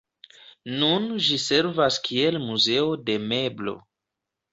Nun ĝi servas kiel muzeo de meblo.